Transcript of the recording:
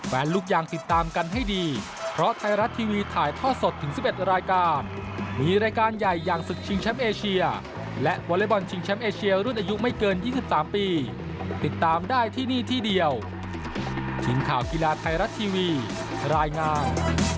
ผ่านรายการแห่งขันกีฬาระดับเอเซียทุกประเภทนะครับ